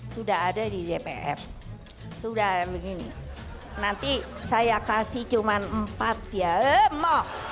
sudah ada di dpr sudah begini nanti saya kasih cuman empat ya lemoh